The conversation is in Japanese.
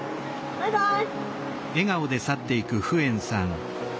バイバイ！